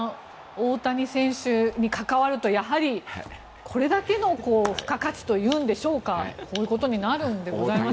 大谷選手に関わるとやはりこれだけの付加価値というんでしょうかこういうことになるんでございますね。